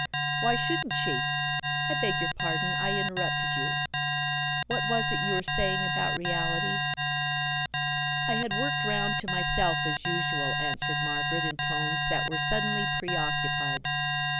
"Why shouldn't she?" "I beg your pardon, I interrupted you. What was it you were saying about reality?" "I had worked round to myself, as usual," answered Margaret in tones that were suddenly preoccupied.